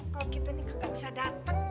kalau kita ini gak bisa dateng